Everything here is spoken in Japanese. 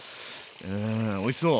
うんおいしそう！